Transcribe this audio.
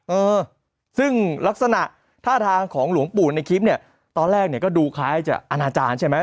เออซึ่งลักษณะท่าทางของหลวงปู่ในคลิปเนี่ยตอนแรกเนี่ยก็ดูคล้ายจะอนาจารย์ใช่ไหม